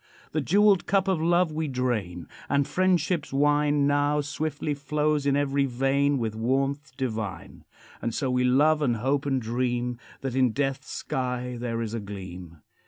The jeweled cup of love we drain, And friendship's wine Now swiftly flows in every vein With warmth divine. And so we love and hope and dream That in death's sky there is a gleam.